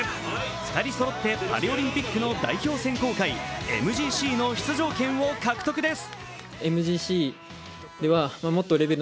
２人そろってパリオリンピックの代表選考会、ＭＧＣの出場権を獲得です。